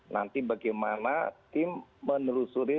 nanti bagaimana tim menelusuri